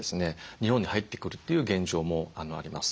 日本に入ってくるという現状もあります。